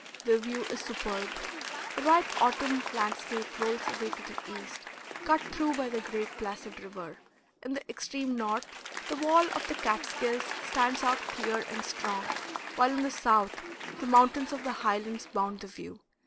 The view is superb; the ripe autumn landscape rolls away to the east, cut through by the great placid river; in the extreme north the wall of the Catskills stands out clear and strong, while in the south the mountains of the Highlands bound the view.